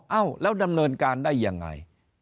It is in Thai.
เอ้าแล้วดำเนินการได้ยังไง